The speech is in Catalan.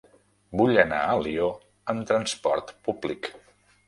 Vull anar a Alió amb trasport públic.